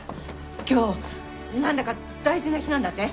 今日なんだか大事な日なんだって？